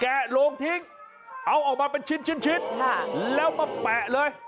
โรงทิ้งเอาออกมาเป็นชิ้นแล้วมาแปะเลย